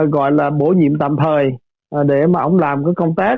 gọi là bổ nhiệm tạm thời để mà ông làm cái công tác